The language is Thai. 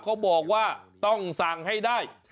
เขาบอกว่าต้องสั่งให้ได้